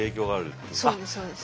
そうですそうです。